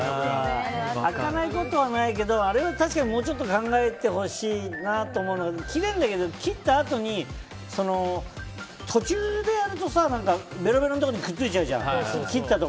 開かないことはないけどあれは確かにもうちょっと考えてほしいなって思うのは切れるんだけど、切ったあとに途中でやるとさベロベロのところにくっついちゃうじゃん。